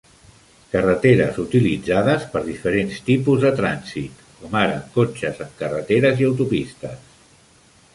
Carreteres utilitzades per diferents tipus de trànsit, com ara cotxes en carreteres i autopistes.